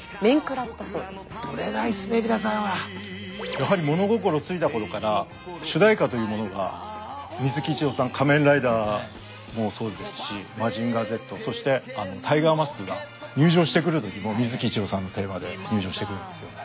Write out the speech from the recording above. やはり物心ついた頃から主題歌というものが水木一郎さん「仮面ライダー」もそうですし「マジンガーＺ」そしてタイガーマスクが入場してくる時も水木一郎さんのテーマで入場してくるんですよね。